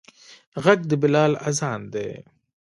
غږ د بلال اذان دی